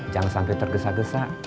jangan sampai tergesa gesa